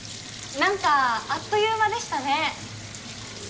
何かあっという間でしたね